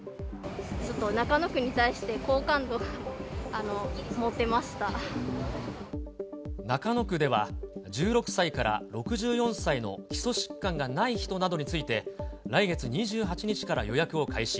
ちょっと中野区に対して、中野区では、１６歳から６４歳の基礎疾患がない人などについて、来月２８日から予約を開始。